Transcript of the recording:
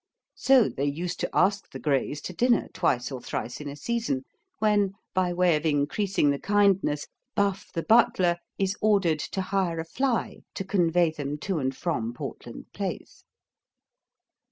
So they used to ask the Grays to dinner twice or thrice in a season, when, by way of increasing the kindness, Buff, the butler, is ordered to hire a fly to convey them to and from Portland Place.